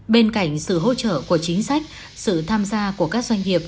bên cạnh sự hỗ trợ của chính sách sự tham gia của các doanh nghiệp